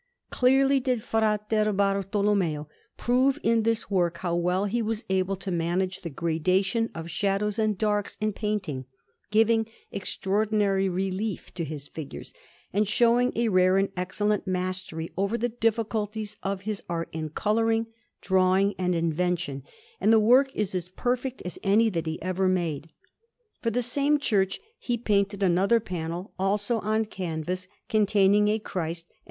Clearly did Fra Bartolommeo prove in this work how well he was able to manage the gradation of shadows and darks in painting, giving extraordinary relief to his figures, and showing a rare and excellent mastery over the difficulties of his art in colouring, drawing, and invention; and the work is as perfect as any that he ever made. For the same church he painted another panel, also on canvas, containing a Christ and S.